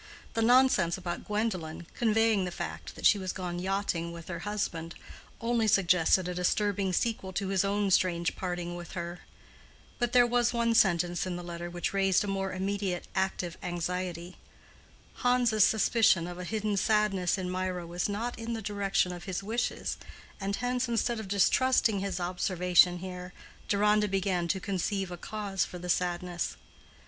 The nonsense about Gwendolen, conveying the fact that she was gone yachting with her husband, only suggested a disturbing sequel to his own strange parting with her. But there was one sentence in the letter which raised a more immediate, active anxiety. Hans's suspicion of a hidden sadness in Mirah was not in the direction of his wishes, and hence, instead of distrusting his observation here, Deronda began to conceive a cause for the sadness.